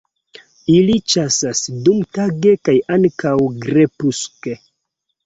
Ili ĉasas dumtage kaj ankaŭ krepuske.